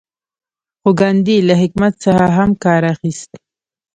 خو ګاندي له حکمت څخه هم کار اخیست.